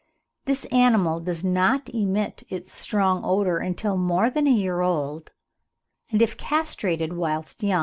This animal does not emit its strong odour until more than a year old, and if castrated whilst young never emits it.